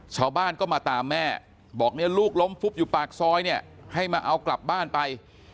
ชาวบ้านก็มาตามแม่บอกเนี่ยลูกล้มฟุบอยู่ปากซอยเนี่ยให้มาเอากลับบ้านไป